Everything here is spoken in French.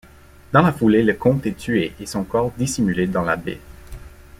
Dans la foulée le comte est tué et son corps dissimulé dans la baie.